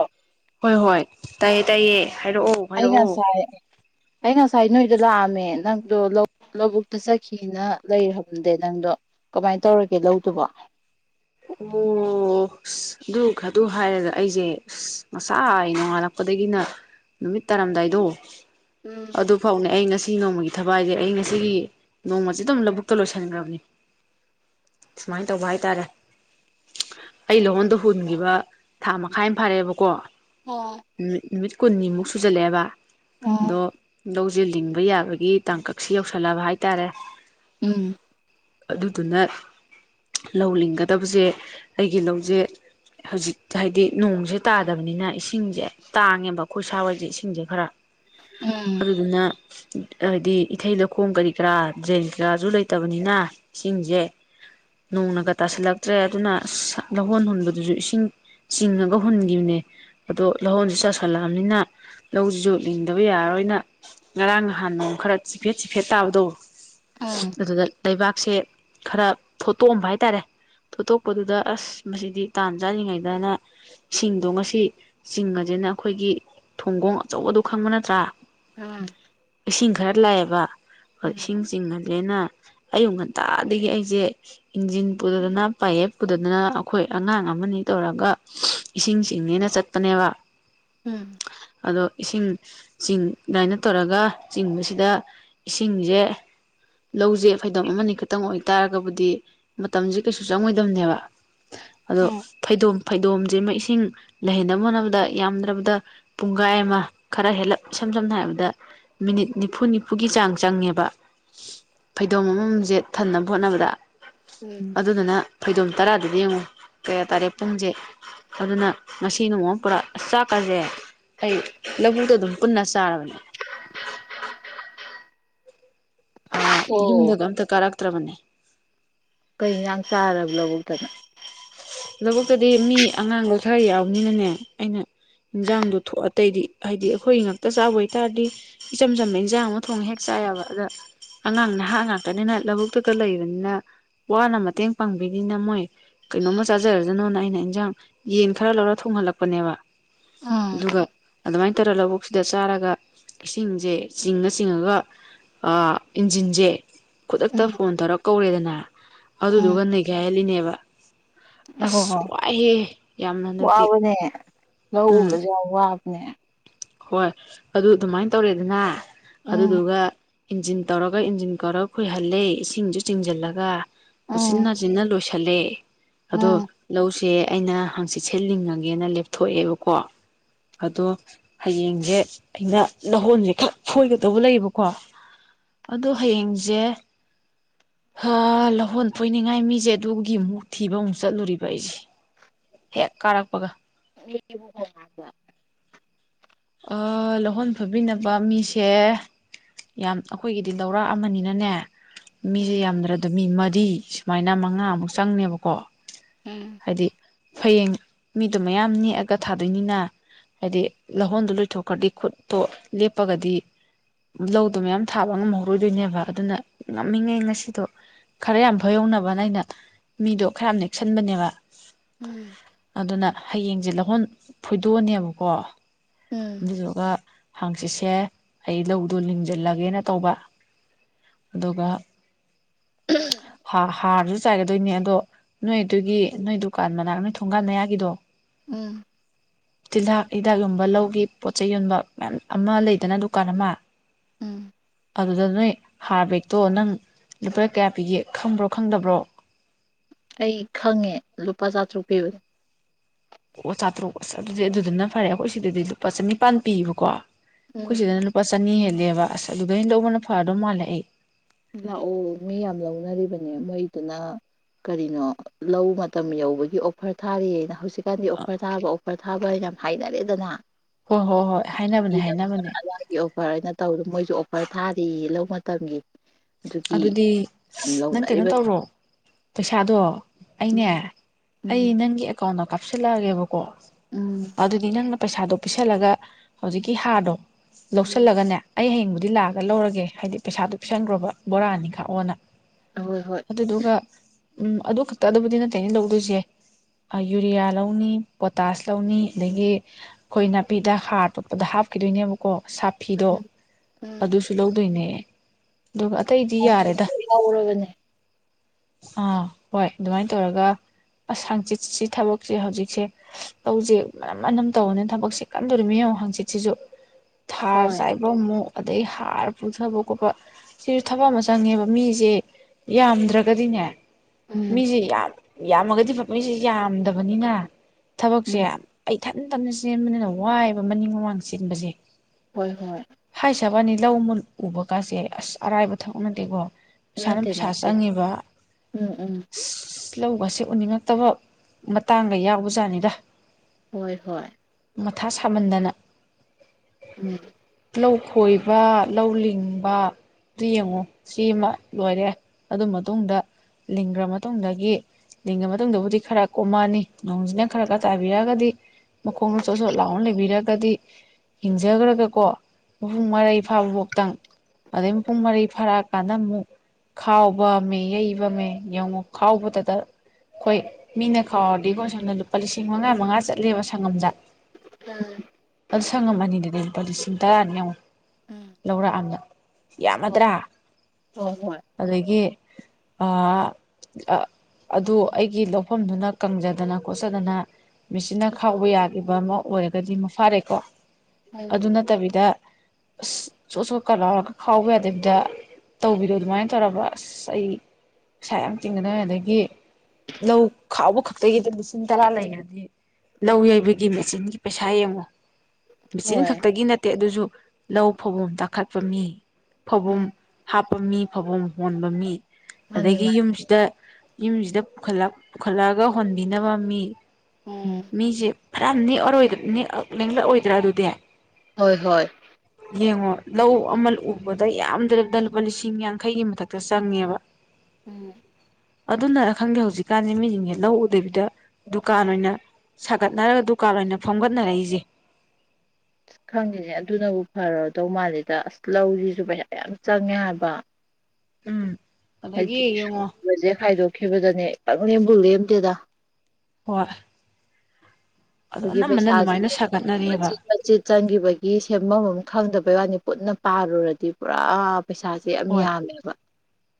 ꯑꯥ꯫ ꯍꯣꯏ ꯍꯣꯏ ꯇꯥꯏꯌ‌ꯦ ꯇꯥꯏꯌꯦ ꯍꯥꯏꯔꯛꯑꯣ꯫ ꯑꯩ ꯍꯥꯏꯔꯛꯑꯣ ꯉꯁꯥꯏ ꯑꯩ ꯉꯁꯥꯏ ꯅꯣꯏꯗ ꯂꯥꯛꯑꯝꯃꯦ ꯅꯪꯗꯣ꯫ ꯂꯧꯕꯨꯛꯇ ꯆꯠꯈꯤꯅ ꯂꯩꯔꯝꯗꯦ ꯅꯪꯗꯣ ꯀꯃꯥꯏꯅ ꯇꯧꯔꯒꯦ ꯂꯧꯗꯨꯕꯣ꯫ ꯑꯣ꯫ ꯑꯣ ꯑꯁ ꯑꯗꯨ ꯑꯗꯨ ꯍꯥꯏꯔꯒ ꯑꯩꯖꯦ ꯑꯁ ꯉꯁꯥꯢ ꯅꯣꯡꯉꯥꯜꯂꯛꯄꯗꯒꯤꯅ ꯅꯨꯃꯤꯠ ꯇꯥꯔꯝꯗꯥꯏꯗꯣ ꯎꯝ꯫ ꯐꯥꯎꯅꯦ ꯑꯩ ꯉꯁꯤ ꯅꯣꯡꯃꯒꯤ ꯊꯕꯛ ꯍꯥꯢꯖꯦ ꯑꯩ ꯉꯁꯤꯒꯤ ꯅꯣꯡꯃꯁꯦ ꯑꯗꯨꯝ ꯂꯧꯕꯨꯛꯇ ꯂꯣꯏꯁꯤꯟꯈꯒ꯭ꯔꯕꯅꯤ ꯁꯨꯃꯥꯏꯅ ꯇꯧꯕ ꯍꯥꯏꯇꯥꯔꯦ ꯑꯩ ꯂꯍꯣꯟꯗꯣ ꯍꯨꯟꯒꯤꯕ ꯊꯥ ꯃꯈꯥꯏ ꯑꯃ ꯐꯥꯔꯦꯑꯦꯕꯀꯣ ꯑꯣ꯫ ꯅꯨꯃꯤꯠ ꯅꯨꯃꯤꯠ ꯀꯨꯟꯅꯤꯃꯨꯛ ꯁꯨꯖꯜꯂꯛꯑꯦꯕ ꯎꯝ ꯑꯗꯣ꯫ ꯂꯧꯁꯦ ꯂꯤꯡꯕ ꯌꯥꯕꯒꯤ ꯇꯥꯡꯀꯛꯁꯤ ꯌꯧꯁꯜꯂꯕ ꯍꯥꯏꯇꯥꯔꯦ꯫ ꯎꯝ꯫ ꯑꯗꯨꯗꯨꯅ ꯂꯧ ꯂꯤꯡꯒꯗꯕꯁꯦ ꯑꯩꯒꯤ ꯂꯧꯖ‌ꯦ꯫ ꯍꯧꯖꯤꯛ ꯍꯥꯏꯗꯤ ꯅꯣꯡꯁꯦ ꯇꯥꯗꯕꯅꯤꯅ ꯏꯁꯤꯡꯖ‌ꯦ꯫ ꯇꯥꯡꯉꯦꯕ ꯑꯈꯣꯏ ꯁꯥ ꯋꯥꯏꯁꯦ ꯏꯁꯤꯡꯁꯦ ꯈꯔ ꯎꯝ ꯑꯗꯨꯗꯨꯅ꯫ ꯍꯥꯏꯗꯤ ꯏꯊꯩ ꯂꯧꯈꯣꯡ ꯀꯔꯤ ꯀꯔꯥ ꯗ꯭ꯔ‌ꯦꯟꯒꯤ ꯀꯩꯀꯥꯁꯨ ꯂꯩꯇꯕꯅꯤꯅ ꯏꯁꯤꯡꯁꯦ꯫ ꯅꯣꯡꯅꯒ ꯇꯥꯁꯤꯜꯂꯛ꯫ ꯇ꯭ꯔꯦ ꯑꯗꯨꯅ ꯑꯁ ꯂꯧꯍꯣꯟ ꯍꯨꯟꯕꯗꯨꯁꯨ ꯏꯁꯤꯡ ꯆꯤꯡꯉꯒ ꯍꯨꯟꯈꯤꯕꯅꯦ ꯑꯗꯣ ꯂꯧꯍꯣꯟ ꯆꯁꯜꯂꯛꯑꯕꯅꯤꯅ ꯂꯧꯁꯤꯁꯨ ꯂꯤꯡꯗꯕ ꯌꯥꯔꯔꯣꯏꯅ ꯉꯔꯥꯡ ꯅꯍꯥꯟ ꯅꯣꯡ ꯈ꯭ꯔ ꯆꯤꯐꯦꯠ ꯆꯤꯐꯦꯠ ꯇꯥꯕꯗꯣ ꯑꯥ꯫ ꯑꯗꯨꯗ ꯂꯩꯕꯥꯛꯁꯦ ꯈꯔ ꯊꯣꯠꯇꯣꯛꯑꯝꯕ ꯍꯥꯏꯇꯥꯔꯦ꯫ ꯊꯣꯠꯇꯣꯛꯄꯗꯨꯗ ꯑꯁ ꯃꯁꯤꯗꯤ ꯇꯥꯟ ꯆꯥꯔꯤꯉꯩꯗꯅ ꯁꯤꯡꯗꯣ ꯉꯁꯤ ꯆꯤꯡꯉꯖꯦꯅ ꯑꯩꯈꯣꯏꯒꯤ ꯊꯣꯡꯒꯣꯡ ꯑꯆꯧꯕꯗꯣ ꯈꯪꯕ ꯅꯠꯇ꯭ꯔꯥ ꯑꯥ꯫ ꯏꯁꯤꯡ ꯈꯔ ꯂꯥꯛꯑꯦꯕ ꯍꯣꯏ ꯏꯁꯤꯡ ꯆꯤꯡꯉꯁꯦꯅ ꯑꯌꯨꯛ ꯉꯟꯇꯥꯗꯒꯤ ꯑꯩꯁꯦ ꯏꯟꯖꯤꯟ ꯄꯨꯗꯅ ꯄꯥꯏꯌꯦꯞ ꯄꯨꯗꯗꯨꯅ ꯑꯩꯈꯣꯏ ꯑꯉꯥꯡ ꯑꯃꯅꯤ ꯇꯧꯔꯒ ꯏꯁꯤꯡ ꯆꯤꯡꯅꯦꯅ ꯆꯠꯄꯅꯦꯕ [inaudible] ꯎꯝ꯫ ꯑꯗꯣ ꯏꯁꯤꯡ ꯆꯤꯡ ꯑꯗꯥꯢꯅ ꯇꯧꯔꯒ ꯆꯤꯡꯕꯁꯤꯗ ꯏꯁꯤꯡꯖꯦ ꯂꯧꯖꯦ ꯐꯩꯗꯣꯝ ꯑꯃꯅꯤ ꯈꯛꯇꯪ ꯑꯣꯏꯇꯥꯔꯒꯕꯨꯗꯤ ꯃꯇꯝꯁꯦ ꯀꯩꯁꯨ ꯆꯪꯉꯣꯏꯗꯝꯅꯦꯕ ꯑꯗꯣ ꯎꯝ ꯐꯩꯗꯣꯝ ꯐꯩꯗꯣꯝꯁꯤꯃ ꯏꯁꯤꯡ ꯂꯩꯍꯟꯅꯕ ꯍꯣꯠꯅꯕꯗ ꯌꯥꯝꯗ꯭ꯔꯕꯗ ꯄꯨꯡꯈꯥꯏ ꯑꯃ ꯈꯔ ꯍꯦꯜꯂꯞ ꯏꯁꯝ ꯁꯝꯅ ꯍꯥꯏꯔꯕꯗ ꯃꯤꯅꯤꯠ ꯅꯤꯐꯨ ꯅꯤꯐꯨꯒꯤ ꯆꯥꯡ ꯆꯪꯉꯦꯕ꯫ ꯐꯩꯗꯣꯝ ꯑꯃꯃꯝ ꯁꯦ ꯊꯟꯅꯕ ꯍꯣꯠꯅꯕꯗ ꯎꯝ꯫ ꯑꯗꯨꯗꯨꯅ ꯐꯩꯗꯣꯝ ꯇꯔꯥꯗꯗꯤ ꯌꯦꯡꯉꯨ ꯀꯌꯥ ꯇꯥꯔꯦ ꯄꯨꯡꯁꯦ ꯑꯗꯨꯅ ꯉꯁꯤ ꯅꯣꯡꯃ ꯑꯝ ꯄꯨꯔꯥ ꯑ ꯆꯥꯛꯀꯁꯦ ꯑꯩ ꯂꯧꯕꯨꯛꯇ ꯑꯗꯨꯝ ꯄꯨꯟꯅ ꯆꯥꯔꯕꯅꯦ ꯑ ꯑꯣ ꯌꯨꯝꯗꯒ ꯑꯝꯇ ꯀꯥꯔꯛꯇ꯭ꯔꯕꯅꯦ ꯀꯩ ꯏꯟꯖꯥꯡ ꯆꯥꯔꯕ ꯂꯧꯕꯨꯛꯇꯅ꯫ ꯂꯧꯕꯨꯛꯇꯗꯤ ꯃꯤ ꯑꯉꯥꯡꯗꯣ ꯈꯔ ꯌꯥꯎꯅꯤꯅꯅꯦ ꯑꯩꯅ ꯏꯟꯖꯥꯡꯗꯣ ꯊꯣꯡ ꯑꯇꯩꯗꯤ ꯍꯥꯏꯗꯤ ꯑꯩꯈꯣꯏ ꯉꯥꯛꯇ ꯆꯥꯕ ꯑꯣꯏꯇꯥꯥꯔꯗꯤ ꯏꯆꯝ ꯆꯝꯕꯥ ꯏꯟꯖꯥꯡ ꯑꯃ ꯊꯣꯡꯉ ꯍꯦꯛ ꯆꯥ ꯌꯥꯕ ꯑꯗ ꯑꯉꯥꯡ ꯅꯍꯥ ꯉꯥꯛꯇꯅꯤꯅ ꯂꯧꯕꯨꯛꯇꯗ ꯂꯩꯕꯅꯤꯅ ꯋꯥꯅ ꯃꯇꯦꯡ ꯄꯥꯡꯕꯤꯔꯤꯅꯤꯅꯥ ꯃꯣꯏ ꯀꯩꯅꯣꯃ ꯁꯨꯝ ꯆꯥꯖꯔꯁꯥꯅꯣꯅ ꯑꯩꯅ ꯏꯟꯖꯥꯡ ꯌꯦꯟ ꯈꯔ ꯂꯧꯔ ꯊꯣꯡꯍꯜꯂꯛꯄꯅꯦꯕ꯫ ꯎꯝ ꯑꯗꯨꯒ ꯑꯗꯨꯃꯥꯏꯅ ꯇꯧꯔꯒ ꯂꯧꯕꯨꯛꯁꯤꯗ ꯆꯥꯔꯒ꯫ ꯏꯁꯤꯡꯖꯦ ꯆꯤꯡꯉ ꯆꯤꯡꯉꯒ꯫ ꯑꯥ ꯏꯟꯖꯤꯟꯖꯦ ꯈꯨꯗꯛꯇ ꯎꯝ ꯐꯣꯟ ꯇꯧꯔ ꯀꯧꯔꯦꯗꯅ꯫ ꯑꯗꯨꯗꯨꯒ ꯅꯩꯒꯥꯢꯍꯜꯂꯤꯅꯦꯕ ꯑꯣꯣ ꯍꯣ ꯌꯥꯝꯅ ꯍꯟꯗꯛꯇꯤ ꯋꯥꯕꯅꯦ ꯂꯧ ꯎꯝ ꯎꯕꯁꯨꯦ ꯌꯥꯝ ꯋꯥꯕꯅꯦ ꯍꯣꯏ ꯑꯗꯨ ꯑꯗꯨꯃꯥꯏꯅ ꯇꯧꯔꯦꯗꯅ ꯎꯝ ꯑꯗꯨꯗꯨꯒ ꯏꯟꯖꯤꯟ ꯇꯧꯔꯒ ꯏꯟꯖꯤꯟ ꯀꯧꯔꯒ ꯈꯣꯏꯍꯜꯂꯦ ꯏꯁꯤꯡꯁꯨ ꯆꯤꯡꯁꯤꯜꯂꯒ ꯄꯨꯁꯤ ꯎꯝ ꯍꯖꯤꯟꯅ ꯂꯣꯏꯁꯤꯜꯂꯦ ꯑꯗꯣ ꯎꯝ ꯂꯧꯁꯤꯡ ꯁꯦ ꯑꯩꯅ ꯍꯪꯆꯤꯠ ꯁꯦꯠꯂꯤꯉꯒꯦꯅ ꯂꯦꯞꯊꯣꯛꯑꯦꯕꯀꯣ ꯑꯗꯣ ꯍꯌꯦꯡꯁꯦ ꯑꯩꯅ ꯅꯍꯣꯟꯁꯦ ꯈꯔ ꯐꯣꯏꯒꯗꯧꯕ ꯂꯩꯌꯦꯕꯀꯣ ꯑꯗꯣ ꯍꯌꯦꯡꯖꯦ ꯍꯥ ꯂꯧꯍꯣꯟ ꯐꯣꯏꯅꯤꯡꯉꯥꯏ ꯃꯤꯁꯦ ꯑꯗꯨꯒꯤ ꯑꯃꯨꯛ ꯊꯤꯕ ꯑꯃꯨꯛ ꯆꯠꯂꯨꯔꯤꯕ ꯑꯩꯁꯦ꯫ ꯍꯦꯛ ꯀꯥꯔꯛꯄꯒ꯫ [unintelligible] ꯑ ꯂꯧꯍꯣꯟ ꯐꯣꯢꯕꯤꯅꯕ ꯃꯤꯁꯦ ꯌꯥꯝ ꯑꯈꯣꯏꯒꯤꯗꯤ ꯂꯧꯔꯥꯛ ꯑꯃꯅꯤꯅꯅꯦ꯫ ꯃꯤꯁꯦ ꯌꯥꯝꯗ꯭ꯔꯗ ꯃꯤ ꯃꯔꯤ ꯁꯨꯝꯃꯥꯏꯅ ꯃꯉꯥꯃꯨꯛ ꯆꯪꯅꯦꯕꯀꯣ ꯎꯝ ꯍꯥꯏꯗꯤ ꯐꯌꯦꯡ ꯃꯤꯗꯣ ꯃꯌꯥꯝ ꯅꯦꯛꯑꯒ ꯊꯥꯗꯣꯏꯅꯤꯅ ꯍꯥꯏꯗꯤ ꯂꯧꯍꯣꯟꯗꯣ ꯂꯣꯏꯊꯣꯛꯈ꯭ꯔꯗꯤ ꯈꯨꯠꯇꯣ ꯂꯦꯞꯄꯒꯗꯤ ꯂꯧꯗꯣ ꯃꯌꯥꯝ ꯊꯥꯕ ꯉꯝꯍꯧꯔꯣꯏꯗꯣꯏꯅꯦꯕ ꯑꯗꯨꯅ ꯉꯝꯃꯤꯉꯩ ꯉꯁꯤꯗꯣ ꯈꯔ ꯌꯥꯝ ꯐꯌꯧꯅꯕꯅ ꯑꯩꯅ ꯃꯤꯗꯣ ꯈꯔ ꯌꯥꯝ ꯅꯦꯛꯁꯟꯕꯅꯦꯕ ꯑꯗꯨꯅ ꯍꯌꯦꯡꯁꯦ ꯂꯧꯍꯣꯟ ꯐꯣꯏꯗꯣꯛꯑꯅꯦꯕꯀꯣ ꯎꯝ ꯑꯗꯨꯒ ꯍꯥꯡꯆꯤꯠꯁꯦ ꯑꯩ ꯂꯧꯗꯣ ꯂꯤꯡꯖꯤꯜꯂꯒꯦꯅ ꯇꯧꯕ ꯑꯗꯨꯒ ꯍꯥ ꯍꯥꯥꯔꯁꯨ ꯆꯥꯏꯒꯗꯣꯏꯅꯦ ꯑꯗꯣ ꯅꯣꯏꯗꯨꯒꯤ ꯅꯣꯏ ꯗꯨꯀꯥꯟ ꯃꯅꯥꯛ ꯅꯣꯏ ꯊꯣꯡꯒꯥꯥꯟ ꯃꯌꯥꯒꯤꯗꯣ ꯎꯝ ꯇꯤꯜꯍꯠ ꯍꯤꯗꯥꯛ ꯌꯣꯟꯕꯥ ꯂꯧꯒꯤ ꯄꯣꯠ ꯆꯩꯩ ꯌꯣꯟꯕ ꯃꯌꯥꯝ ꯑꯃ ꯂꯩꯗꯅ ꯗꯨꯀꯥꯟ ꯑꯃ ꯎꯝ ꯑꯗꯨꯗ ꯅꯣꯏ ꯍꯥꯔ ꯕꯦꯛꯇꯣ ꯅꯪ ꯂꯨꯄꯥ ꯀꯌꯥ ꯄꯤꯒꯦ ꯈꯪꯕ꯭ꯔꯣ ꯈꯪꯗꯕ꯭ꯔꯣ ꯑꯩ ꯈꯪꯉꯦ ꯂꯨꯄꯥ ꯆꯥꯇ꯭ꯔꯨꯛ ꯄꯤꯕꯅꯦ ꯑꯣ ꯆꯥꯇꯔꯨꯛ ꯑꯁ ꯑꯗꯨꯗꯤ ꯑꯗꯨꯗꯨꯅ ꯐꯔꯦ ꯑꯩꯈꯣꯏ ꯁꯤꯗꯗꯤ ꯂꯨꯄꯥ ꯆꯅꯤꯄꯥꯟ ꯄꯤꯕꯀꯣ ꯑꯩꯈꯣꯏ ꯎꯝ ꯁꯤꯗꯅ ꯂꯨꯄꯥ ꯆꯅꯤ ꯍꯦꯜꯂꯦꯕ ꯑꯁ ꯑꯗꯨꯗꯩ ꯑꯣꯏꯅ ꯂꯧꯕꯅ ꯐꯔꯥꯗꯧ ꯃꯥꯜꯂꯦꯕꯥ ꯑꯩ ꯂꯥꯛꯑꯣ ꯃꯤ ꯌꯥꯝ ꯂꯧꯅꯔꯤꯕꯅꯦ ꯃꯣꯏꯗꯨꯅ ꯀꯔꯤꯅꯣ ꯂꯧ ꯃꯇꯝ ꯌꯧꯕꯒꯤ ꯑꯣꯐꯔ ꯊꯥꯔꯤꯌꯦꯅ ꯍꯧꯖꯤꯛ ꯀꯥꯟꯗꯤ ꯑꯣꯐꯔ ꯊꯥꯕ ꯑꯣꯐꯔ ꯊꯥꯕ ꯍꯥꯏꯅ ꯌꯥꯝ ꯍꯥꯏꯅꯔꯦꯗꯅ ꯍꯣꯏ ꯍꯣꯏ ꯍꯣꯏ ꯍꯥꯏꯅꯕꯅꯦ ꯍꯥꯏꯅꯕꯅꯦ [unintelligible] ꯃꯣꯏꯁꯨ ꯑꯣꯐꯔ ꯊꯥꯔꯤ ꯂꯧ ꯃꯇꯝꯒꯤ ꯑꯗꯨꯒꯤ ꯑꯗꯨꯗꯤ ꯌꯥꯝ ꯅꯪ ꯀꯩꯅꯣ ꯂꯧꯅꯔꯤꯕꯅꯤ ꯇꯧꯔꯣ ꯄꯩꯁꯥꯗꯣ ꯑꯩꯅꯦ ꯎꯝ ꯑꯩ ꯎꯝ ꯅꯪꯒꯤ ꯑꯦꯀꯥꯎꯟꯗ ꯀꯥꯞꯁꯤꯜꯂꯛꯑꯒꯦꯕꯀꯣ ꯎꯝ ꯑꯣ ꯑꯗꯨꯗꯤ ꯅꯪꯅ ꯄꯩꯁꯥꯗꯣ ꯄꯤꯁꯜꯂꯒ ꯍꯧꯖꯤꯛꯀꯤ ꯍꯥꯔꯗꯣ ꯎꯝ ꯂꯧꯁꯤꯜꯂꯒꯅꯦ ꯑꯩ ꯍꯌꯦꯡꯕꯨꯗꯤ ꯂꯥꯛꯑꯒ ꯂꯧꯔꯒꯦ ꯍꯥꯏꯗꯤ ꯄꯩꯁꯥꯗꯣ ꯄꯤꯁꯟꯈꯔꯣꯕ ꯕꯣꯔꯥ ꯑꯅꯤ ꯈꯥꯛꯑꯣꯅ ꯍꯣꯏ ꯍꯣꯏ ꯑꯗꯨꯗꯨꯒ ꯎꯝ ꯑꯗꯨ ꯈꯛꯇ ꯗꯨꯕꯨꯗꯤ ꯅꯠꯇꯦ ꯑꯩ ꯂꯧꯗꯣꯏꯁꯦ ꯑꯥ ꯌꯨꯔꯤꯌꯥ ꯂꯧꯅꯤ ꯄꯣꯇꯥꯁ ꯂꯧꯅꯤ ꯑꯗꯩꯩꯒꯤ ꯑꯩꯈꯣꯏ ꯅꯥꯄꯤꯗ ꯍꯥꯔ ꯇꯣꯠꯄꯗ ꯍꯥꯞꯈꯤꯗꯣꯏꯅꯦꯕꯀꯣ ꯑꯁ ꯎꯝ ꯑꯗꯨꯁꯨ ꯂꯧꯗꯣꯏꯅꯦ ꯑꯗꯨꯒ ꯑꯇꯩꯗꯤ ꯎꯝ ꯌꯥꯔꯦꯗ꯫ ꯌꯥꯎꯔꯕꯅꯦ ꯑꯥ ꯍꯣꯏ ꯑꯗꯨꯃꯥꯏꯅ ꯇꯧꯔꯒ ꯑꯁ ꯍꯥꯡꯆꯤꯠꯁꯤ ꯊꯕꯛꯁꯦ ꯍꯧꯖꯤꯛꯁꯦ ꯇꯧꯁꯦ ꯃꯅꯝ ꯃꯅꯝ ꯇꯧꯕꯅꯤꯅ ꯊꯕꯛꯁꯦ ꯀꯟꯗꯣꯔꯝꯃꯤ ꯌꯦꯡꯉꯣ ꯍꯪꯆꯤꯠꯁꯤꯁꯨ꯫ ꯊꯥꯔ ꯍꯣꯏ ꯆꯥꯏꯕ ꯑꯃꯨꯛ ꯑꯗꯩ ꯍꯥꯔ ꯄꯨꯊꯕ ꯈꯣꯠꯄ ꯁꯤꯁꯨ ꯊꯕꯛ ꯑꯃ ꯆꯪꯉꯦꯕ ꯃꯤꯁꯦ ꯌꯥꯝꯗ꯭ꯔꯒꯗꯤꯅꯦ ꯎꯝ ꯃꯤꯁꯦ ꯌꯥꯝ ꯌꯥꯝꯃꯒꯗꯤ ꯐꯕꯥ ꯃꯤꯁꯦ ꯌꯥꯝꯗꯕꯅꯤꯅ ꯊꯕꯛꯁꯦ ꯎꯝ ꯑꯩ ꯏꯊꯟꯇꯥ ꯅ ꯆꯦꯟꯕꯅꯤꯅ ꯋꯥꯏꯌꯦꯕ ꯃꯅꯤꯡ ꯃꯃꯥꯡ ꯆꯦꯟꯕꯁꯦ ꯍꯣꯏ ꯍꯣꯏ ꯍꯥꯏꯁꯕꯩ ꯋꯥꯅꯤ ꯂꯧ ꯃꯨꯟ ꯎꯕ ꯀꯥꯁꯦ ꯑꯁ ꯑꯔꯥꯏꯕ ꯊꯛꯕꯛ ꯅꯠꯇꯦꯀꯣ ꯄꯩꯁꯥꯅ ꯅꯠꯇꯦ ꯄꯩꯁꯥ ꯅꯠꯇꯦ ꯆꯪꯉꯤꯕ ꯎꯝ ꯎꯝ ꯑꯁ ꯂꯧꯒꯁꯤ ꯎꯅꯤꯡꯉꯛꯇꯕ ꯃꯇꯥꯡꯒ ꯌꯥꯎꯕꯖꯥꯠꯅꯤꯗ꯫ ꯍꯣꯏ-ꯍꯣꯏ꯫ ꯃꯊꯥ ꯁꯥꯃꯟꯗꯅ ꯎꯝ꯫ ꯂꯧ ꯈꯣꯏꯕ ꯂꯧ ꯂꯤꯡꯕ ꯑꯗꯨ ꯌꯦꯡꯉꯨ ꯁꯤ ꯑꯃ ꯂꯣꯏꯔꯦ ꯑꯗꯨ ꯃꯇꯨꯡꯗ ꯂꯤꯡꯈ꯭ꯔ ꯃꯇꯨꯡꯗꯒꯤ ꯂꯤꯡꯑ ꯃꯇꯨꯡꯗꯕꯨꯗꯤ ꯈꯔ ꯀꯣꯝꯃꯛꯑꯅꯤ ꯅꯣꯡꯁꯤꯅ ꯈꯔ-ꯈꯔ ꯇꯥꯕꯤꯔꯛꯑꯒꯗꯤ ꯃꯈꯣꯡꯅ ꯆꯣꯠ ꯁꯣꯠ ꯂꯥꯎꯅ ꯂꯩꯕꯤꯔꯒꯗꯤ ꯍꯤꯡꯖꯈ꯭ꯔꯒ ꯀꯣ ꯃꯄꯨꯡ ꯃꯔꯩ ꯐꯥꯕ ꯐꯥꯎꯇꯪ ꯑꯗꯩ ꯃꯄꯨꯡ ꯃꯔꯩ ꯐꯥꯔꯛꯑꯀꯥꯟꯗ ꯑꯃꯨꯛ ꯈꯥꯎꯕ ꯃ ꯌꯩꯕꯃꯦ ꯌꯦꯡꯉꯨ ꯈꯥꯎꯕꯇꯗ ꯑꯈꯣꯏ ꯃꯤꯅ ꯈꯥꯎꯔꯗꯤ ꯑꯈꯣꯏ ꯁꫭꯝꯗ ꯂꯨꯄꯥ ꯂꯤꯁꯤꯡ ꯃꯉꯥ-ꯃꯉꯥ ꯆꯠꯂꯦꯕ ꯁꯪꯉꯝꯗ꯫ ꯎꯝ꯫ ꯑꯗꯨ ꯁꯪꯉꯝ ꯑꯅꯤꯗꯨꯗꯤ ꯂꯨꯄꯥ ꯂꯤꯁꯤꯡ ꯇꯔꯥꯅꯤ ꯌꯦꯡꯎ ꯎꯝ ꯂꯧꯔꯥꯛ ꯑꯝꯗ꯫ ꯌꯥꯝꯑꯗ꯭ꯔꯥ ꯍꯣꯏ ꯍꯣꯏ ꯑꯗꯒꯤ ꯑ ꯑ ꯑꯗꯨ ꯑꯩꯒꯤ ꯂꯧꯐꯝꯗꯨꯅ ꯀꯪꯖꯗꯅ ꯈꯣꯠꯆꯗꯅ ꯃꯦꯆꯤꯟꯅ ꯈꯥꯎꯕ ꯌꯥꯈꯤꯕ ꯑꯃ ꯑꯣꯏꯔꯒꯗꯤ ꯑꯃ ꯐꯥꯔꯦꯀꯣ ꯑꯗꯨ ꯎꯝ ꯅꯠꯇꯕꯤꯗ ꯑꯁ ꯁꯣꯠ-ꯁꯣꯠ ꯀ ꯂꯥꯎꯔꯒ ꯈꯥꯎꯕ ꯌꯥꯗꯕꯤꯗ ꯇꯧꯕꯤꯗꯣ ꯑꯗꯨꯃꯥꯏꯅ ꯇꯧꯔꯕ ꯑꯁ ꯑꯩ ꯄꯩꯁꯥ ꯌꯥꯝ ꯇꯤꯡꯗꯅ ꯑꯗꯒꯤ ꯂꯧ ꯈꯥꯎꯕ ꯈꯛꯇꯒꯤ ꯑꯗꯨꯝ ꯂꯤꯁꯤꯡ ꯇꯔꯥ ꯂꯩꯒ꯭ꯔꯗꯤ ꯂꯧ ꯌꯩꯕꯒꯤ ꯃꯦꯆꯤꯟꯒꯤ ꯄꯩꯁꯥ ꯌꯦꯡꯉꯨ꯫ ꯃꯦꯆꯤꯟ ꯍꯣꯏ ꯈꯛꯇꯒꯤ ꯅꯠꯇꯦ ꯑꯗꯨꯁꯨ ꯂꯧ ꯐꯧꯕꯨꯝ ꯇꯥꯈꯠꯄ ꯃꯤ ꯐꯧꯕꯨꯝ ꯎꯝ ꯍꯥꯞꯄ ꯃꯤ ꯐꯧꯕꯨꯝ ꯍꯣꯟꯕ ꯃꯤ ꯃꯥꯅꯦ ꯑꯗꯒꯤ ꯃꯥꯅꯦ ꯌꯨꯝꯁꯤꯗ ꯌꯨꯝꯁꯤꯗ ꯄꯨꯈꯠꯂ ꯄꯨꯈꯠꯂꯛꯑꯒ ꯍꯣꯟꯕꯤꯅꯕ ꯃꯤ ꯎꯝ꯫ ꯃꯤꯁꯦ ꯐꯔꯝ ꯅꯦꯛꯑꯔꯣꯏꯗ ꯅꯦꯛꯑ ꯅꯦꯛꯂꯛꯑꯣꯏꯗ꯭ꯔꯥ ꯑꯗꯨꯗꯤ꯫ ꯍꯣꯏ-ꯍꯣꯏ꯫ ꯌꯦꯡꯉꯣ ꯂꯧ ꯑꯃꯜ ꯎꯕꯗ ꯌꯥꯝꯗ꯭ꯔꯕꯗ ꯂꯨꯄꯥ ꯂꯤꯁꯤꯡ ꯌꯥꯡꯈꯩꯒꯤ ꯃꯊꯛꯇ ꯆꯪꯉꯦꯕ꯫ ꯎꯝ꯫ ꯑꯗꯨꯅ ꯈꯪꯗꯦ ꯍꯧꯖꯤꯛꯀꯥꯟꯁꯤ ꯃꯤꯁꯤꯡꯁꯦ ꯂꯧ ꯎꯗꯕꯤꯗ ꯗꯨꯀꯥꯟ ꯑꯣꯏꯅ ꯁꯥꯒꯠꯅꯔꯒ ꯗꯨꯀꯥꯟ ꯑꯣꯏꯅ ꯐꯝꯒꯠꯅꯔꯛꯏꯁꯦ꯫ ꯈꯪꯉꯤꯅꯦ ꯑꯗꯨꯅꯕꯨ ꯐꯔꯗꯧ ꯃꯥꯜꯂꯦꯗ ꯑꯁ ꯂꯧꯔꯤꯁꯨ ꯄꯩꯁꯥ ꯌꯥꯝ ꯆꯪꯉꯦ ꯍꯥꯏꯕ꯫ ꯎꯝ꯫ ꯍꯥꯏꯗꯤ ꯑꯗꯒꯤ ꯌꯦꯡꯉꯣ ꯁꯨꯕꯁꯦ ꯈꯥꯏꯗꯣꯛꯈꯤꯕꯗꯅꯦ ꯄꯪ ꯂꯦꯝꯕꯨ ꯂꯦꯝꯗꯦꯗ꯫ ꯍꫭꯏ꯫ ꯍꫭꯏꯒꯤ ꯑꯗꯨꯃꯥꯏꯅ ꯄꯩꯁꯥꯖꯤꯅꯦ ꯁꯥꯒꯠꯅꯔꯦꯕ ꯃꯆꯦꯠ-ꯃꯆꯦꯠ ꯆꯪꯈꯤꯕꯒꯤ ꯁꯦꯝꯐꯝ ꯑꯃ ꯈꯪꯗꯕꯩ ꯋꯥꯅꯤ ꯄꯨꯟꯅ ꯄꯥꯔꯨꯔꯗꯤ ꯄꯨꯔꯥ ꯄꯩꯁꯥ ꯁꯦ ꯌꯥꯝ ꯌꯥꯝꯑꯦꯕ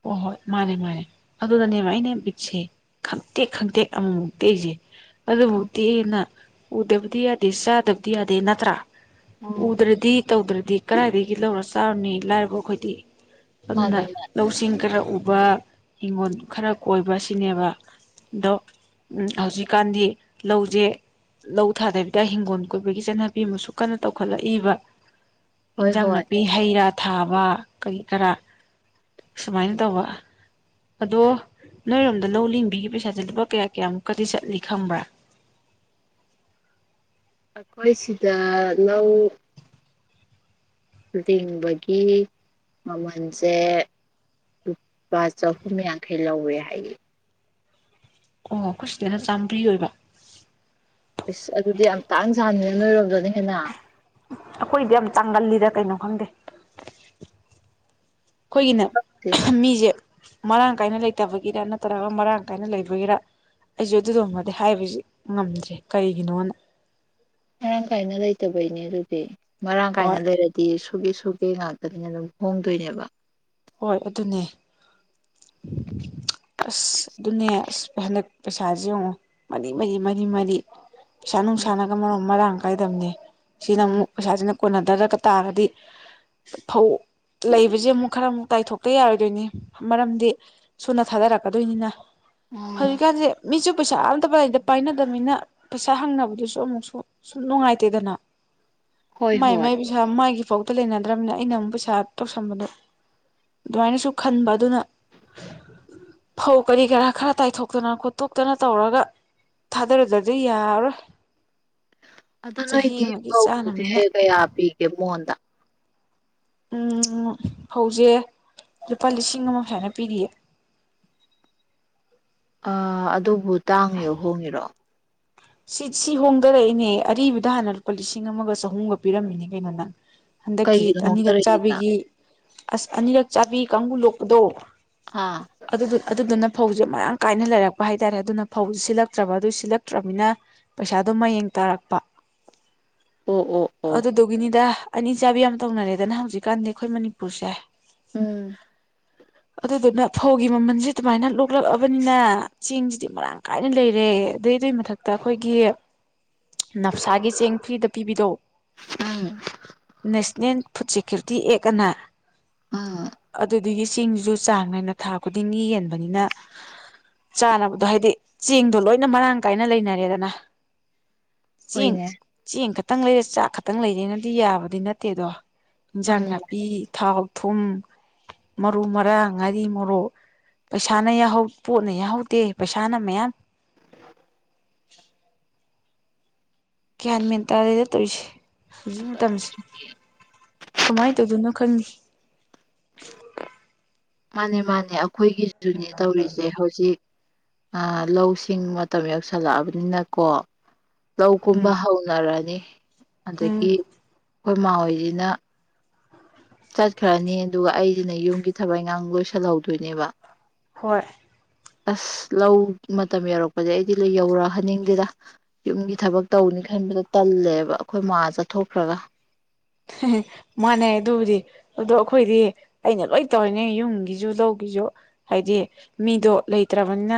ꯍꯣ ꯍꯣꯏ ꯃꯥꯅꯦ-ꯃꯥꯅꯦ ꯑꯗꯨꯅꯅꯦꯕ ꯑꯩꯅꯦ ꯕꯤꯠꯁꯦ ꯈꯪꯇꯦꯛ ꯈꯪꯇꯦꯛ ꯑꯃꯃꯨꯛꯇꯦꯛ ꯏꯁꯦ ꯎꯝ ꯑꯗꯨꯕꯨꯗꯤ ꯇꯦꯛꯑꯦꯅ ꯎꯗꯕꯗꯤ ꯌꯥꯗꯦ ꯆꯥꯗꯕꯗꯤ ꯌꯥꯗꯦ ꯅꯠꯇ꯭ꯔꯥ ꯎꯝ. ꯎꯗ꯭ꯔꯗꯤ ꯇꯧꯗ꯭ꯔꯗꯤ ꯀꯗꯥꯏꯗꯒꯤ ꯂꯧꯔ ꯆꯥꯔꯨꯅꯤ ꯂꯥꯏꯔꯕ ꯑꯩꯈꯣꯏꯗꯤ ꯑꯗꯨꯅ ꯃꯥꯅꯦ ꯃꯥꯅꯦ. ꯂꯧꯁꯤꯡ ꯈꯔ ꯎꯕ ꯍꯤꯡꯒꯣꯜ ꯈꯔ ꯀꯣꯏꯕ ꯁꯤꯅꯦꯕ ꯑꯗꯣ ꯎꯝ ꯍꯧꯖꯤꯛꯀꯥꯟꯗꯤ ꯂꯧꯁꯦ ꯂꯧ ꯊꯥꯗꯕꯤꯗ ꯍꯤꯡꯒꯣꯜ ꯀꯣꯏꯕꯒꯤ ꯆꯠꯅꯕꯤ ꯑꯃꯁꯨ ꯀꯟꯅ ꯇꯧꯈꯠꯂꯛꯏꯕ ꯍꯣꯏ ꯏꯟꯖꯥꯡ ꯍꯣꯏ ꯅꯥꯄꯤ ꯍꯩ ꯔꯥ ꯊꯥꯕ ꯀꯔꯤ ꯀꯔꯥ ꯁꯨꯃꯥꯏꯅ ꯇꯧꯕ ꯑꯗꯣ ꯅꯣꯏꯔꯣꯝꯗ ꯂꯧ ꯂꯤꯡꯕꯤꯒꯤ ꯄꯩꯁꯥꯁꯦ ꯂꯨꯄꯥ ꯀꯌꯥ ꯀꯌꯥꯃꯨꯛꯀꯗꯤ ꯆꯠꯂꯤ ꯈꯪꯕ꯭ꯔꯥ ꯑꯩꯈꯣꯏ ꯁꯤꯗ ꯂꯧ ꯂꯤꯡꯕꯒꯤ ꯃꯃꯟꯁꯦ ꯂꯨꯞꯄꯥ ꯆꯍꯨꯝ ꯌꯥꯡꯈꯩ ꯂꯧꯋꯦ ꯍꯥꯏꯌꯦ꯫ ꯑꯣ ꯑꯩꯈꯣꯏ ꯁꯤꯗꯅ ꯆꯥꯝꯃ꯭ꯔꯤ ꯑꯣꯏꯕ꯫ ꯏꯁ ꯑꯗꯨꯗꯤ ꯌꯥꯝ ꯇꯥꯡꯖꯥꯠꯅꯤ ꯅꯣꯏꯔꯣꯝꯗꯅ ꯍꯦꯟꯅ꯫ ꯑꯈꯣꯏꯗꯤ ꯌꯥꯝ ꯇꯥꯡꯒꯜꯂꯤꯗ ꯀꯩꯅꯣ ꯈꯪꯗꯦ ꯈꯣꯏꯒꯤꯅꯦ [unintelligible] ꯃꯤꯁꯦ ꯃꯔꯥꯡ ꯀꯥꯏꯅ ꯂꯩꯇꯕꯒꯤꯔ ꯅꯠꯇ꯭ꯔꯒ ꯃꯔꯥꯡ ꯀꯥꯏꯅ ꯂꯩꯕꯒꯤꯔ꯫ ꯑꯩꯁꯦ ꯑꯗꯨꯏꯗꯨꯃꯗꯤ ꯍꯥꯏꯕꯁꯤ ꯉꯝꯗ꯭ꯔꯦ ꯀꯔꯤꯒꯤꯅꯣꯅ ꯃꯔꯥꯡ ꯀꯥꯏꯅ ꯂꯩꯇꯕꯩꯅꯦ ꯑꯗꯨꯗꯤ ꯃꯔꯥꯡ ꯀꯥꯏꯅ ꯍꯣꯏ ꯂꯩꯔꯗꯤ ꯇꯤ ꯁꯨꯒꯦ ꯁꯨꯒꯦ ꯉꯥꯛꯇꯅꯤꯅ ꯑꯗꯨꯝ ꯍꯣꯡꯗꯣꯏꯅꯦꯕ ꯍꯣꯏ ꯑꯗꯨꯅꯦ ꯑꯁ ꯑꯗꯨꯅꯦ ꯑꯁ ꯍꯟꯗꯛ ꯄꯩꯁꯥꯥꯁꯦ ꯌꯦꯡꯉꯣ ꯃꯔꯤ ꯃꯔꯤ ꯃꯔꯤ ꯃꯔꯤ ꯄꯩꯁꯥ ꯎꯝ ꯅꯨꯡꯁꯥꯅꯒ ꯃꯔꯣꯡ ꯃꯔꯥꯡ ꯀꯥꯏꯗꯕꯅꯦ ꯁꯤꯅ ꯎꯝ ꯑꯃꯨꯛ ꯄꯩꯁꯥꯁꯤꯅ ꯀꯣꯟꯅꯗꯔꯛꯒ ꯇꯥꯔꯗꯤ ꯐꯧ ꯂꯩꯕꯁꯦ ꯑꯃꯨꯛ ꯈꯔ ꯑꯃꯨꯛ ꯇꯥꯏꯊꯣꯛꯇ ꯌꯥꯔꯣꯏꯗꯣꯏꯅꯤ ꯃꯔꯝꯗꯤ ꯁꯨꯅ ꯊꯥꯗꯔꯛꯀꯗꯣꯏꯅꯤꯅ ꯑꯣ ꯍꯧꯖꯤꯛꯀꯥꯟꯁꯦ ꯃꯤꯁꯨ ꯄꯩꯁꯥ ꯑꯝꯇ ꯄꯥꯏꯅꯗꯕꯅꯤꯅ ꯄꯩꯁꯥ ꯍꯪꯅꯕꯗꯨꯁꯨ ꯑꯃꯨꯛꯁꯨ ꯁꯨꯝ ꯅꯨꯡꯉꯥꯏꯇꯦꯗꯅ ꯍꯣꯏ ꯃꯥꯏ ꯍꯣꯏ ꯃꯥꯏ ꯄꯩꯁꯥ ꯃꯥꯥꯏꯒꯤ ꯐꯥꯎꯗ ꯂꯩꯅꯗ꯭ꯔꯕꯅꯤꯅ ꯑꯩꯅ ꯑꯃꯨꯛ ꯄꯩꯁꯥ ꯇꯧꯁꯟꯕꯗꯣ ꯑꯗꯨꯃꯥꯏꯅꯁꯨ ꯈꯟꯕ ꯑꯗꯨꯅ ꯐꯧ ꯀꯔꯤ ꯀꯔꯥ ꯈꯔ ꯇꯥꯏꯊꯣꯛꯇꯅ ꯈꯣꯠꯇꯣꯛꯇꯅ ꯇꯧꯔꯒ ꯊꯥꯗꯔꯗꯗꯤ ꯌꯥꯔꯔꯣꯏ ꯑꯗꯣ ꯆꯍꯤ ꯅꯣꯏꯗꯤ ꯑꯃꯒꯤ ꯆꯥꯅꯕꯅꯤꯅ ꯐꯧꯁꯦ ꯀꯌꯥ ꯄꯤꯒꯦ ꯃꯣꯟꯗ ꯎꯝ ꯐꯧꯁꯦ ꯂꯨꯄꯥ ꯂꯤꯁꯤꯡ ꯑꯃ ꯁꯨꯃꯥꯏꯅ ꯄꯤꯔꯤꯌꯦ ꯑ ꯑꯗꯨꯕꯨ ꯇꯥꯡꯉꯤꯔꯣ ꯍꯣꯡꯉꯤꯔꯣ ꯁꯤ ꯁꯤ ꯍꯣꯡꯗꯔꯛꯏꯅꯦ ꯑꯔꯤꯕꯗ ꯍꯥꯟꯅ ꯂꯨꯄꯥ ꯂꯤꯁꯤꯡ ꯑꯃꯒ ꯆꯍꯨꯝꯒ ꯄꯤꯔꯝꯃꯤꯅꯦ ꯀꯩꯅꯣ ꯅꯪ ꯍꯟꯗꯛꯀꯤ ꯀꯩꯒꯤꯅꯣ ꯑꯅꯤꯔꯛ ꯍꯣꯡꯗꯔꯛꯏꯁꯤꯅ ꯆꯥꯕꯤꯒꯤ ꯑꯁ ꯑꯅꯤꯔꯛ ꯆꯥꯕꯤ ꯀꯥꯡꯕꯨ ꯂꯣꯛꯄꯗꯣ ꯑꯥ ꯑꯗꯨꯗꯨꯅ ꯐꯧꯁꯦ ꯃꯔꯥꯡ ꯀꯥꯏꯅ ꯂꯩꯔꯛꯄ ꯍꯥꯏꯇꯥꯔꯦ ꯑꯗꯨꯅ ꯐꯧꯁꯦ ꯁꯤꯜꯂꯛꯇ꯭ꯔꯕ ꯑꯗꯨ ꯁꯤꯜꯂꯛꯇ꯭ꯔꯕꯅꯤꯅ ꯄꯩꯁꯥꯗꯨꯣ ꯃꯌꯦꯡ ꯇꯥꯔꯛꯄ ꯑꯣ ꯑꯣ ꯑꯣ ꯑꯗꯨꯗꯨꯒꯤꯅꯤꯗ ꯑꯅꯤꯆꯥꯕꯤ ꯌꯥꯝ ꯇꯧꯅꯔꯦꯗꯅ ꯍꯧꯖꯤꯛꯀꯥꯟꯗꯤ ꯑꯩꯈꯣꯏ ꯃꯅꯤꯄꯨꯔꯁꯦ ꯎꯝ [inaudible] ꯑꯗꯨꯗꯨꯅ ꯐꯧꯒꯤ ꯃꯃꯜꯁꯦ ꯑꯗꯨꯃꯥꯏꯅ ꯂꯣꯛꯂꯛꯑꯕꯅꯤꯅ ꯆꯦꯡꯁꯤꯗꯤ ꯃꯔꯥꯡ ꯀꯥꯏꯅ ꯂꯩꯔꯦ ꯑꯗꯨꯗꯩ ꯑꯗꯨꯏ ꯃꯊꯛꯇ ꯗ ꯑꯩꯈꯣꯏꯒꯤ ꯅꯞꯁꯥꯒꯤ ꯆꯦꯡ ꯐ꯭ꯔꯤꯗ ꯄꯤꯕꯤꯗꯣ ꯎꯝ ꯅꯦꯁꯅꯦꯜ ꯐꯨꯗ ꯁꯦꯀ꯭ꯌꯨꯔꯤꯇꯤ ꯑꯦꯛ ꯑꯅ ꯎꯝ ꯑꯗꯨ ꯑꯗꯒꯤ ꯆꯦꯡꯁꯤꯁꯨ ꯆꯥꯡ ꯅꯥꯏꯅ ꯊꯥ ꯈꯨꯗꯤꯡꯒꯤ ꯌꯦꯟꯕꯅꯤꯅ ꯆꯥꯅꯕꯗꯣ ꯍꯥꯏꯗꯤ ꯆꯦꯡꯗꯣ ꯂꯣꯏꯅ ꯃꯔꯥꯡ ꯀꯥꯏꯅ ꯂꯩꯅꯔꯦꯗꯅ ꯆꯦꯡ ꯍꯣꯏꯅꯦ ꯆꯦꯡ ꯈꯛꯇꯪ ꯂꯩꯔ ꯆꯥꯛ ꯈꯛꯇꯪ ꯂꯩꯔꯅꯗꯤ ꯌꯥꯕꯗꯤ ꯅꯠꯇꯦꯗꯣ ꯏꯟꯖꯥꯡ ꯃꯥꯅꯤ ꯅꯥꯄꯤ ꯊꯥꯎ ꯊꯨꯝ ꯃꯔꯨ ꯃꯔꯥꯡ ꯉꯥꯔꯤ ꯃꯣꯔꯣꯛ ꯄꯩꯁꯥꯅ ꯌꯥꯍꯧ ꯄꯣꯠꯅ ꯌꯥꯎꯍꯧꯗꯦ ꯄꯩꯁꯥꯅ ꯃꯌꯥꯝ ꯒ꯭ꯌꯥꯟ ꯃꯦꯟ ꯇꯥꯗꯦꯗ ꯇꯧꯔꯤꯁꯦ ꯍꯧꯖꯤꯛ ꯃꯇꯝꯁꯦ ꯀꯃꯥꯏ ꯇꯧꯗꯣꯏꯅꯣ ꯈꯪꯗꯦ ꯃꯥꯅꯦ ꯃꯥꯅꯦ ꯑꯩꯈꯣꯏꯒꯤꯁꯨꯅꯦ ꯇꯧꯔꯤꯁꯦ ꯍꯧꯖꯤꯛ ꯑ ꯂꯧꯁꯤꯡ ꯃꯇꯝ ꯌꯧꯁꯜꯂꯛꯑꯕꯅꯤꯅꯀꯣ ꯎꯝ ꯂꯧꯀꯨꯝꯕ ꯍꯧꯅꯔꯅꯤ ꯎꯝ ꯑꯗꯒꯤ ꯑꯩꯈꯣꯏꯃꯥ ꯍꯣꯏꯁꯤꯅ ꯆꯠꯈ꯭ꯔꯅꯤ ꯑꯗꯨꯒ ꯑꯩꯁꯤꯅ ꯌꯨꯝꯒꯤ ꯊꯕꯛ ꯏꯈꯥꯡ ꯂꯣꯏꯁꯤꯜꯍꯧꯗꯣꯏꯅꯦꯕ ꯍꯣꯏ ꯑꯁ ꯂꯧ ꯃꯇꯝ ꯌꯧꯔꯛꯄꯗꯤ ꯑꯩꯗꯤ ꯌꯧꯔꯛꯍꯟꯅꯤꯡꯗꯦꯗ ꯌꯨꯝꯒꯤ ꯊꯕꯛ ꯇꯧꯅꯤ ꯈꯟꯕꯗ ꯇꯜꯂꯦꯕ ꯑꯩꯈꯣꯏ ꯃꯥ ꯆꯠꯊꯣꯛꯈ꯭ꯔꯒ [unintelligible] ꯃꯥꯅꯦ ꯑꯗꯨꯕꯨꯗꯤ ꯑꯗꯣ ꯑꯩꯈꯣꯏꯗꯤ ꯑꯩꯅ ꯂꯣꯏ ꯇꯧꯔꯤꯅꯦ ꯌꯨꯝꯒꯤꯁꯨ ꯂꯧꯒꯤꯁꯨ ꯍꯥꯏꯗꯤ ꯃꯤꯗꯣ ꯂꯩꯇ꯭ꯔꯕꯅꯤꯅ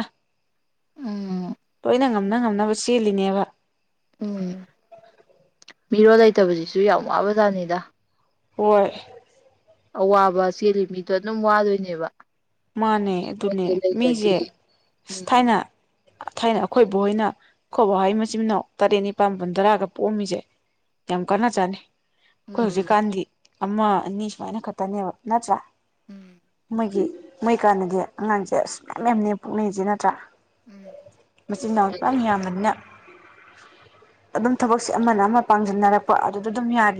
ꯎꯝ ꯂꯣꯏꯅ ꯉꯝꯅ ꯉꯝꯅꯕ ꯆꯦꯜꯂꯤꯅꯦꯕ ꯎꯝ ꯃꯤꯔꯣꯜ ꯂꯩꯇꯕꯁꯤꯁꯨ ꯌꯥꯝ ꯋꯥꯕꯖꯥꯠꯅꯤꯗ ꯍꯣꯏ ꯑꯋꯥꯕ ꯆꯦꯜꯂꯤ ꯃꯤꯗꯣ ꯑꯗꯨꯝ ꯋꯥꯗꯣꯏꯅꯦꯕ ꯃꯥꯅꯦ ꯑꯗꯨꯅꯦ ꯑꯗꯨ ꯂꯩꯔꯗꯤ ꯃꯤꯁꯦ ꯎꯝ ꯊꯥꯏꯅ ꯊꯥꯏꯅ ꯑꯩꯈꯣꯏꯕꯣꯛ ꯍꯣꯏꯅ ꯈꯣꯏꯕꯥ ꯍꯣꯏ ꯃꯆꯤꯟ ꯃꯅꯥꯎ ꯇꯔꯦꯠ ꯅꯤꯄꯥꯜ ꯃꯄꯟꯇꯔꯥꯒ ꯄꯣꯛꯑꯝꯃꯤꯁꯦ ꯌꯥꯝ ꯀꯥꯅꯖꯥꯠꯅꯤ ꯑꯩꯈꯣꯏ ꯎꯝ ꯍꯧꯖꯤꯛꯀꯥꯟꯗꯤ ꯑꯃ ꯑꯅꯤ ꯁꯨꯃꯥꯏꯅ ꯈꯛꯇꯅꯦꯕ ꯅꯠꯇ꯭ꯔ ꯎꯝ ꯃꯣꯏꯒꯤ ꯃꯣꯏꯀꯥꯟꯗꯗꯤ ꯑꯉꯥꯡꯁꯦ ꯑꯁ ꯃꯌꯥꯝ ꯃꯌꯥꯝꯅꯦ ꯄꯣꯛꯅꯩꯁꯦ ꯅꯠꯇ꯭ꯔꯥ ꯎꯝ ꯃꯆꯤꯟ ꯃꯅꯥꯎ ꯃꯌꯥꯝ ꯌꯥꯝꯕꯅꯤꯅ ꯑꯗꯨꯝ ꯊꯕꯛꯁꯦ ꯑꯃꯅ ꯑꯃ ꯄꯥꯡꯁꯤꯟꯅꯔꯛꯄ ꯑꯗꯨꯗ ꯑꯗꯨꯝ ꯌꯥꯔꯤ